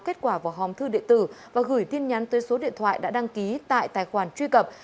kết quả vào hòm thư điện tử và gửi tin nhắn tới số điện thoại đã đăng ký tại tài khoản truy cập